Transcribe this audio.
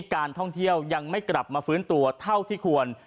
การท่องเที่ยวยังไม่กลับมาฟื้นตัวเท่าที่ควร